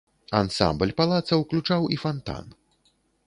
Ансамбль палаца ўключаў і фантан.